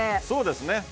そうですね